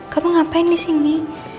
kamu ngapain disini